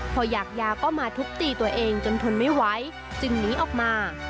พออยากยาก็มาทุบตีตัวเองจนทนไม่ไหวจึงหนีออกมา